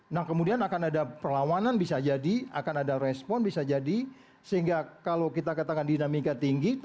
nah kemudian akan ada perlawanan bisa jadi akan ada respon bisa jadi sehingga kalau kita katakan dinamika tinggi